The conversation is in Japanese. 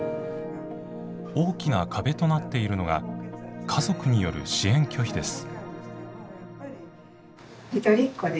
大きな壁となっているのが家族による支援拒否です。